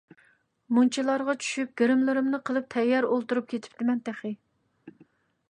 مۇنچىلارغا چۈشۈپ، گىرىملىرىمنى قىلىپ تەييار ئولتۇرۇپ كېتىپتىمەن تېخى.